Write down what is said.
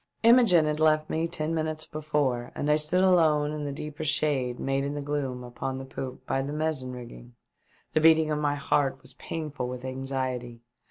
Imogene had left me ten minutes before, and I stood alone in the deeper shade made in the gloom upon the poop by the mizzen rigging. The beating of my heart was pain ful with anxiety.